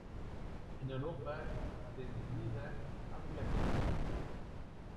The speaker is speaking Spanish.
En Europa extendida ampliamente.